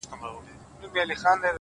o زه د بـلا سـره خـبري كـوم ـ